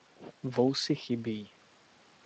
Vousy chybí.